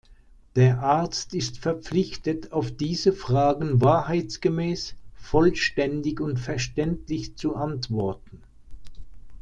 Der Arzt ist verpflichtet, auf diese Fragen wahrheitsgemäß, vollständig und verständlich zu antworten.